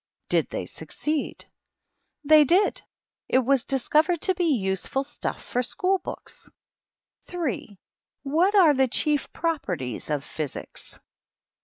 Did they succeed? They did. It was discovered to be useful stuff for school books. S. What are the chief properties of Physics